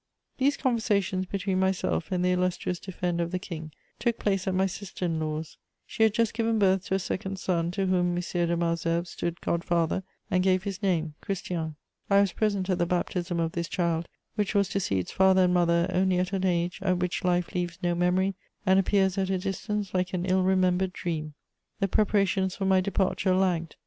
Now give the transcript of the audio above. These conversations between myself and the illustrious defender of the King took place at my sister in law's; she had just given birth to a second son, to whom M. de Malesherbes stood god father and gave his name, Christian. I was present at the baptism of this child, which was to see its father and mother only at an age at which life leaves no memory and appears at a distance like an ill remembered dream. The preparations for my departure lagged.